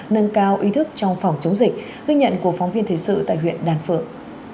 nâng cao ý thức trong phòng chống dịch ghi nhận của phóng viên thời sự tại huyện đàn phượng